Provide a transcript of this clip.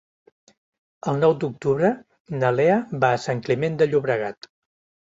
El nou d'octubre na Lea va a Sant Climent de Llobregat.